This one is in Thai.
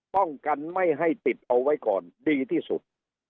ป้องกันไม่ให้ติดเอาไว้ก่อนดีที่สุด